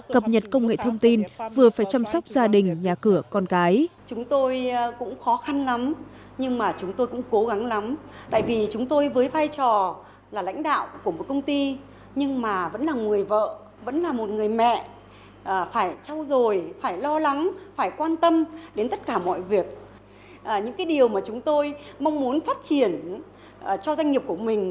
cập nhật công nghệ thông tin vừa phải chăm sóc gia đình nhà cửa con cái